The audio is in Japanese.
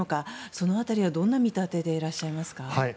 その辺りは、どんな見立てでいらっしゃいますか？